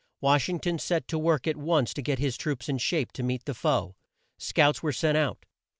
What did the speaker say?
Wash ing ton set to work at once to get his troops in shape to meet the foe. Scouts were sent out.